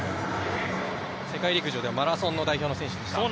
世界陸上ではマラソンの代表の選手でした。